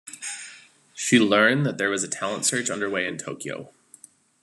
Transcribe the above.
She learned that there was a talent search underway in Tokyo.